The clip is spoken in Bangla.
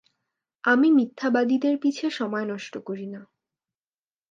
আমি মিথ্যাবাদীদের পিছে সময় নষ্ট করি না।